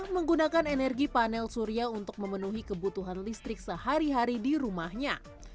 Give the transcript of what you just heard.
menggunakan energi panel surya untuk memenuhi kebutuhan listrik sehari hari di rumahnya